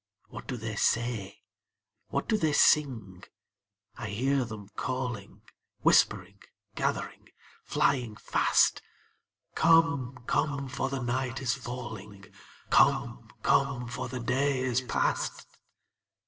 What do they say? What do they sing? I hear them calling, Whispering, gathering, flying fast, 'Come, come, for the night is falling; Come, come, for the day is past!'